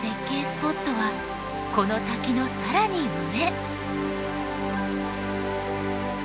スポットはこの滝の更に上。